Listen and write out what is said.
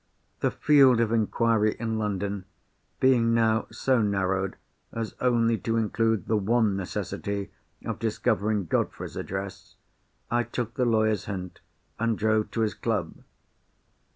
The field of inquiry in London, being now so narrowed as only to include the one necessity of discovering Godfrey's address, I took the lawyer's hint, and drove to his club.